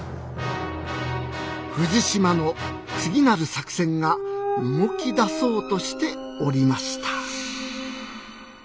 富士島の次なる作戦が動き出そうとしておりました